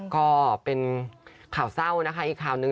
ก็เป็นข่าวเศร้านะคะอีกข่าวหนึ่ง